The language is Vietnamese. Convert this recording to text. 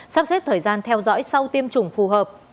sắp xếp thời gian theo dõi sau tiêm chủng phù hợp